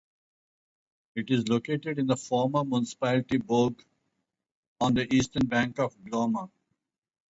It is located in the former municipality Borge, on the eastern bank of Glomma.